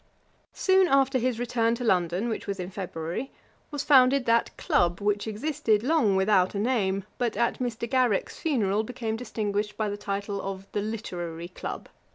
] Soon after his return to London, which was in February, was founded that CLUB which existed long without a name, but at Mr. Garrick's funeral became distinguished by the title of THE LITERARY CLUB.